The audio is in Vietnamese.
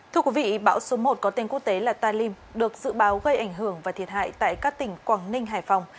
thưa quý vị bão số một có tên quốc tế là talim được dự báo gây ảnh hưởng và thiệt hại tại các tỉnh quảng ninh hải phòng